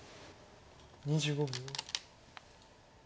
２５秒。